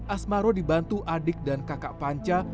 asmaro dibantu adik dan kakak panca